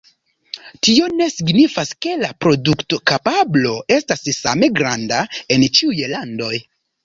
Tio ne signifas, ke la produktokapablo estas same granda en ĉiuj landoj.